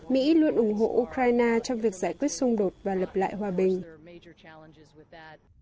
mỹ luôn ủng hộ ukraine trong việc giải quyết xung đột và lập lại hòa bình